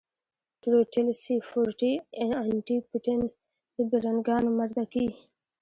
ټروټيل سي فور ټي ان ټي پټن د بېرنگانو مردکي.